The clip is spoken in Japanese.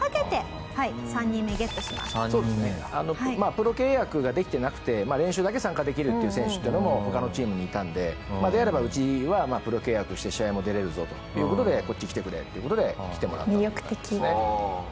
プロ契約ができてなくて練習だけ参加できるっていう選手っていうのも他のチームにいたんでであればうちはプロ契約して試合も出れるぞという事でこっち来てくれっていう事で来てもらったぐらいですね。